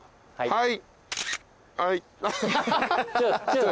はい。